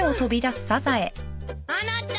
・あなた！